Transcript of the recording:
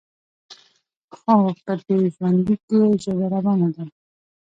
خو په دې ژوندلیک کې یې ژبه روانه ده.